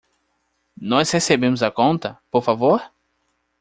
Nós recebemos a conta, por favor?